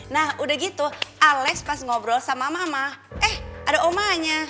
nah udah gitu alex pas ngobrol sama mama eh ada omanya